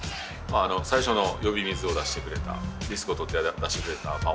最初の呼び水を出してくれたリスクをとって出してくれた恩人です。